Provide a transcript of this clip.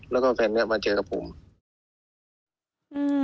แล้วก็แฟนก็มาเจอกับผม